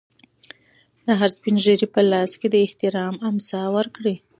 د هر سپین ږیري په لاس کې د احترام امسا ورکړئ.